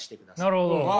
なるほど。